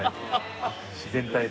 自然体で。